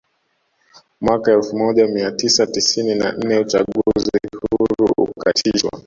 Mwaka elfu moja mia tisa tisini na nne uchaguzi huru ukaitishwa